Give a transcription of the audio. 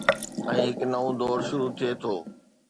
۽ هڪ نئون دور شروع ٿئي ٿو.